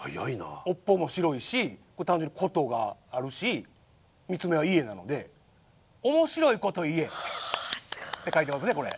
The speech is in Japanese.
尾っぽも白いしこれ単純に琴があるし３つ目は家なので「おもしろいこといえ」って書いてますね。